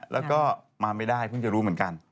แล้วก็มาไม่ได้เพิ่งจะรู้เหมือนกัน